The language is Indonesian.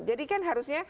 jadi kan harusnya